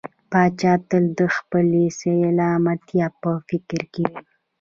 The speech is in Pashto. پاچا تل د خپلې سلامتيا په فکر کې وي .